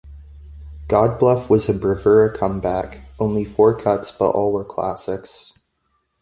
"Godbluff" was a bravura comeback - only four cuts, but all were classics.